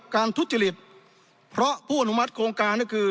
การทุจิฤทธิ์เพราะผู้อนุมัติโครงการนั่นคือ